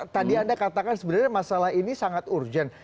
tadi anda katakan sebenarnya masalah ini sangat urgent